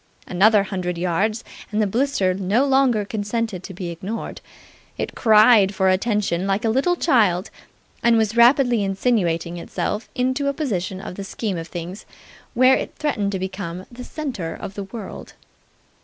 Another hundred yards, and the blister no longer consented to be ignored. It cried for attention like a little child, and was rapidly insinuating itself into a position in the scheme of things where it threatened to become the centre of the world.